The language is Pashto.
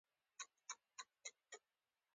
امیر پخپله کندهار ته حرکت کړی وو.